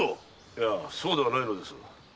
いやそうではないのです。